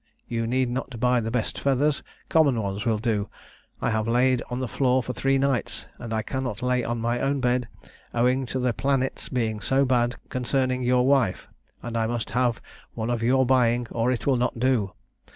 _ You need not buy the best feathers, common ones will do. I have laid on the floor for three nights, and I cannot lay on my own bed owing to the planets being so bad concerning your wife, and I must have one of your buying or it will not do.